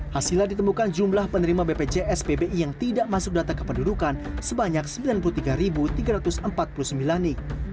hasilnya ditemukan jumlah penerima bpjs pbi yang tidak masuk data kependudukan sebanyak sembilan puluh tiga tiga ratus empat puluh sembilan nik